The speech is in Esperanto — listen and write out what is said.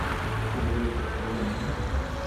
Ĉu vi estas bone?